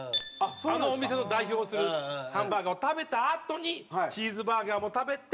あのお店を代表するハンバーガーを食べたあとにチーズバーガーも食べて。